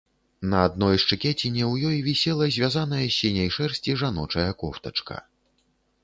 На адной шчыкеціне ў ёй вісела звязаная з сіняй шэрсці жаночая кофтачка.